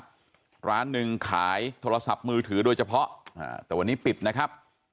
ร้านหนึ่งขายโทรศัพท์มือถือโดยเฉพาะอ่าแต่วันนี้ปิดนะครับ